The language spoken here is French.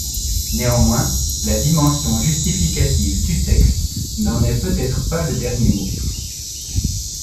Néanmoins, la dimension justificative du texte n’en est peut-être pas le dernier mot.